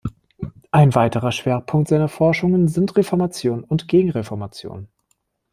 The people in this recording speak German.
Ein weiterer Schwerpunkt seiner Forschungen sind Reformation und Gegenreformation.